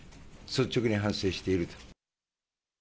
率直に反省していると。